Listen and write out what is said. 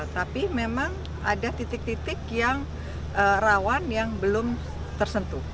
tapi memang ada titik titik yang rawan yang belum tersentuh